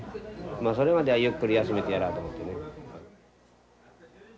まあそれまではゆっくり休めてやらんと思ってね。